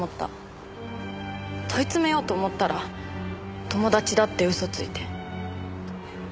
問い詰めようと思ったら友達だって嘘ついて。